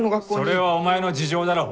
それはお前の事情だろう？